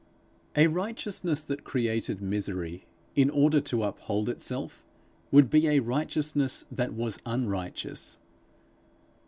A righteousness that created misery in order to up hold itself, would be a righteousness that was unrighteous.